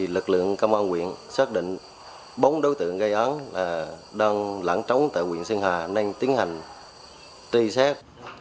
lực lượng công an huyện xác định bốn đối tượng gây án đang lãng trống tại huyện sơn hà nên tiến hành truy xét